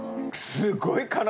すごいな。